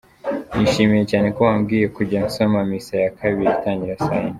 Nishimiye cyane ko bambwiye kujya nsoma misa ya kabiri itangira saa yine.